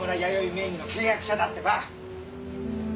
名義の契約者だってば！